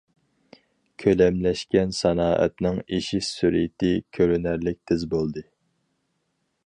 كۆلەملەشكەن سانائەتنىڭ ئېشىش سۈرئىتى كۆرۈنەرلىك تېز بولدى.